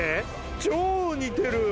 超似てる。